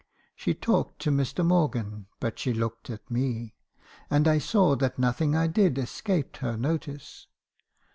She talked to Mr. Morgan, but she looked at me; and I saw that nothing I did escaped her notice.